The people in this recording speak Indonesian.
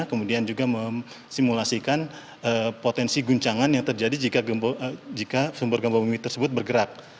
kemudian juga memsimulasikan potensi guncangan yang terjadi jika sumber gempa bumi tersebut bergerak